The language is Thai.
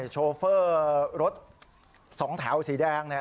โชเฟอร์รถสองแถวสีแดงเนี่ย